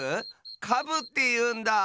カブっていうんだ！